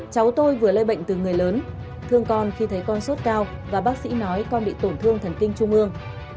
cháu tôi vừa lây bệnh từ người lớn thương con khi thấy con sốt cao và bác sĩ nói con bị tổn thương thần kinh trung ương